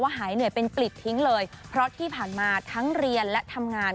หายเหนื่อยเป็นปลิดทิ้งเลยเพราะที่ผ่านมาทั้งเรียนและทำงาน